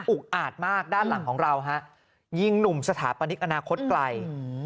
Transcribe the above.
อาจมากด้านหลังของเราฮะยิงหนุ่มสถาปนิกอนาคตไกล